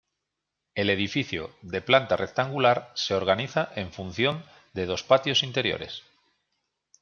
El edificio, de planta rectangular, se organiza en función de dos patios interiores.